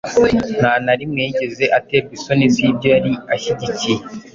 nta na rimwe yigeze aterwa isoni z’ibyo yari ashyigikiye.